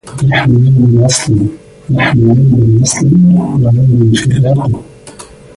نحن يوما وصل ويوما فراق